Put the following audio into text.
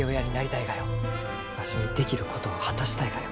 わしにできることを果たしたいがよ。